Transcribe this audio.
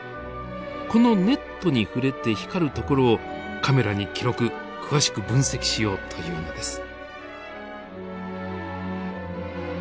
このネットに触れて光る所をカメラに記録詳しく分析しようというのです。